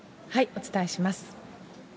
お伝えします。